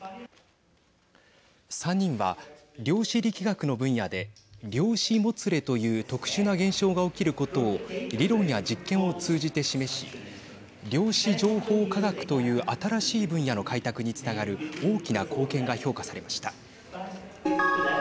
３人は、量子力学の分野で量子もつれという特殊な現象が起きることを理論や実験を通じて示し量子情報科学という新しい分野の開拓につながる大きな貢献が評価されました。